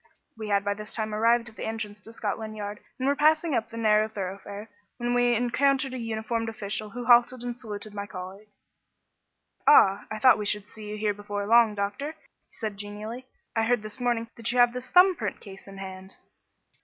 We had by this time arrived at the entrance to Scotland Yard, and were passing up the narrow thoroughfare, when we encountered a uniformed official who halted and saluted my colleague. "Ah, I thought we should see you here before long, doctor," said he genially. "I heard this morning that you have this thumb print case in hand."